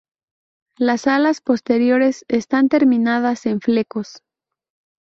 Las alas posteriores están terminadas en flecos.